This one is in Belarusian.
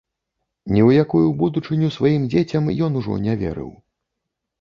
Ні ў якую будучыню сваім дзецям ён ужо не верыў.